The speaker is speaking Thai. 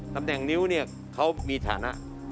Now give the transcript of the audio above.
ตำแหน่งนิ้วเนี่ยเขามีฐานะ